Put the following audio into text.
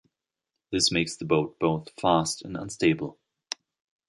This makes the boat both fast and unstable.